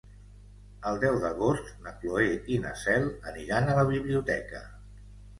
El deu d'agost na Cloè i na Cel aniran a la biblioteca.